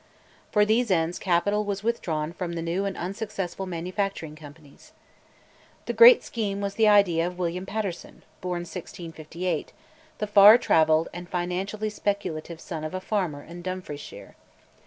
For these ends capital was withdrawn from the new and unsuccessful manufacturing companies. The great scheme was the idea of William Paterson (born 1658), the far travelled and financially speculative son of a farmer in Dumfriesshire.